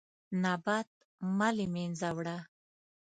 نبات مه له منځه وړه.